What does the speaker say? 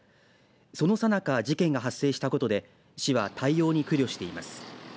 そのさなか事件が発生したことで市は対応に苦慮しています。